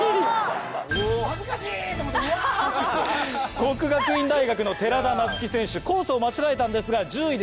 國學院大學の寺田夏生選手コースを間違えたんですが。